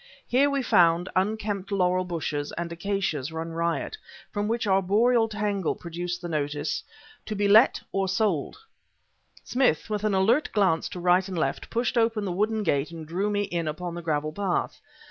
Here we found unkempt laurel bushes and acacias run riot, from which arboreal tangle protruded the notice "To be Let or Sold." Smith, with an alert glance to right and left, pushed open the wooden gate and drew me in upon the gravel path.